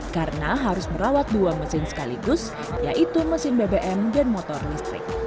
karena harus merawat dua mesin sekaligus yaitu mesin bbm dan motor listrik